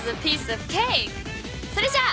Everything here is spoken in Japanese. それじゃあ。